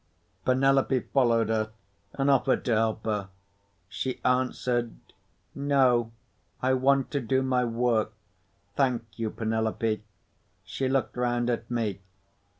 Penelope followed her, and offered to help her. She answered, "No. I want to do my work. Thank you, Penelope." She looked round at me.